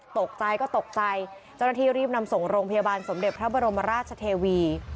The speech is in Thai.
ตกใจก็ตกใจเจ้าหน้าที่รีบนำส่งโรงพยาบาลสมเด็จพระบรมราชเทวี